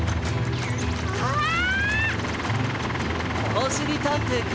おしりたんていくん！